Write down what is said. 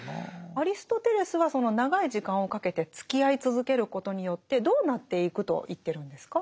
アリストテレスはその長い時間をかけてつきあい続けることによってどうなっていくと言ってるんですか？